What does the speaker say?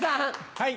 はい。